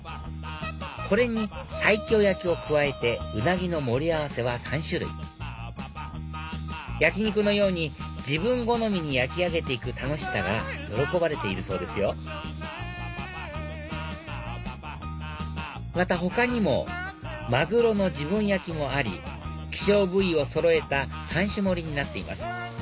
これに西京焼きを加えてウナギの盛り合わせは３種類焼き肉のように自分好みに焼き上げて行く楽しさが喜ばれているそうですよまた他にもマグロの自分焼きもあり希少部位をそろえた三種盛りになっています